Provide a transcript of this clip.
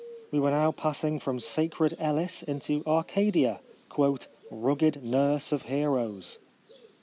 We were now passing from sacred Elis into Arcadia, " rugged nurse of heroes."